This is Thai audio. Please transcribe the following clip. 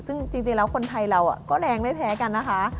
ซึ่งจริงแล้วคนไทยเราก็แรงไม่แพ้กันนะคะ